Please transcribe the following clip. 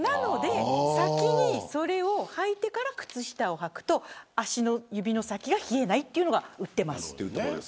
先にそれを履いてから靴下を履くと足の指の先が冷えないというのが売っています。